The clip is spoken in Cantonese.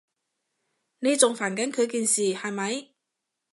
你仲煩緊佢件事，係咪？